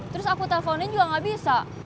terus aku telponin juga gak bisa